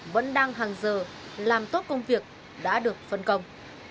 vẫn đang hàng giờ làm tốt công việc đã được phân công